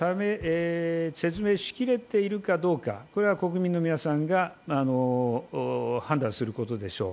説明しきれているかどうか、これは国民の皆さんが判断することでしょう。